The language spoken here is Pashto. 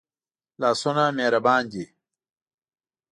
لاسونه مهربان دي